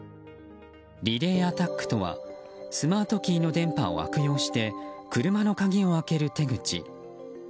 リレーアタックとはスマートキーの電波を悪用して車の鍵を開ける手口。